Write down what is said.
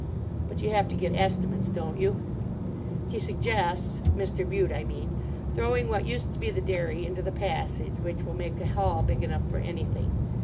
But you have to get estimates, don't you? He suggests—Mr. Bute, I mean—throwing what used to be the dairy into the passage, which will make a hall big enough for anything.